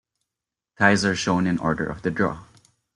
Ties are shown in order of the draw.